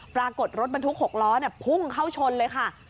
ปรากฏรถบรรทุก๖ล้อพุ่งเข้าชนเลยค่ะ